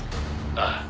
「ああ。